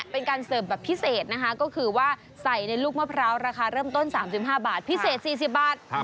เป็นการเสิร์ฟแบบพิเศษนะคะก็คือว่าใส่ในลูกมะพร้าวราคาเริ่มต้น๓๕บาทพิเศษ๔๐บาท